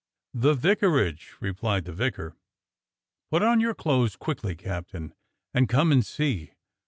"The vicarage," replied the vicar. "Put on your clothes quickly. Captain, and come and see.